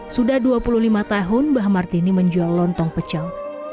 sudah dua puluh lima tahun mbah martini menjual lontong pecel